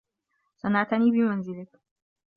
سنعتني بمنزلك.